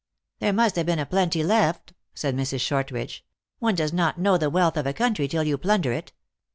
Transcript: " There must have been a plenty left," said Mrs. Shortridge. "One does not know the wealth of a country till you plunder it.